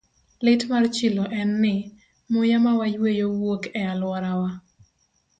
Lit mar chilo en ni, muya ma wayueyo wuok e alworawa.